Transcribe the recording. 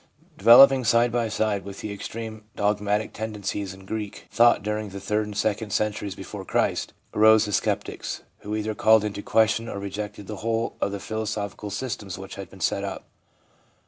Developing side by side with the extreme dogmatic tendencies in Greek thought during the third and second centuries before Christ, arose the sceptics, who either called into question or rejected the whole of the philosophical systems which had been set up.